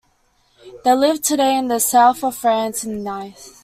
They live today in the south of France in Nice.